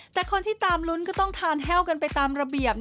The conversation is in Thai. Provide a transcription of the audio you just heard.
แต่คนที่ตามลุ้นก็ต้องทานแห้วกันไปตามระเบียบ